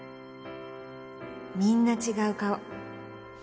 みんな違う顔